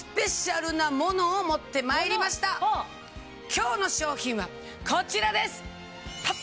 今日の商品はこちらです！